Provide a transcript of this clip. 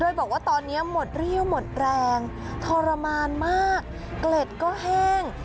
โดยบอกว่าตอนนี้หมดเรี่ยวหมดแรงทรมานมากเกล็ดก็แห้ง